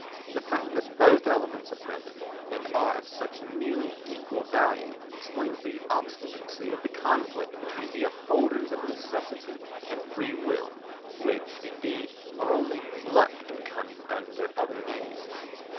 The fact that both elements are present and are of such nearly equal value explains the obstinacy of the conflict between the upholders of Necessity and Free Will which, indeed, are only luck and cunning under other names.